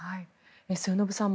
末延さん